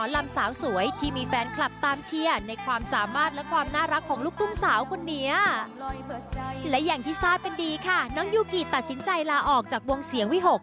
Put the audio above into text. และอย่างที่ทราบกันดีค่ะน้องยูกิตัดสินใจลาออกจากวงเสียงวิหก